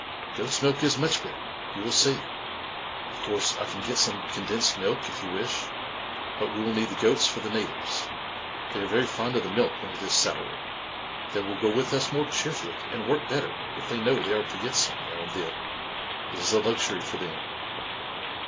44 Goat's milk is much better — you will see. Of course, I can get some condensed milk, if you wish. But we will need the goats for the natives — they are very fond of the milk when it is sour; they will go with us more cheerfully and work better if they know they are to get some, now and then. It is a luxury for them."